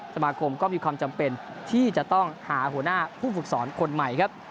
สมาคมก็มีความจำเป็นที่จะต้องหาหัวหน้าผู้ฝึกสอนคนใหม่ครับ